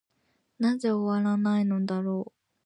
なぜ終わないのだろう。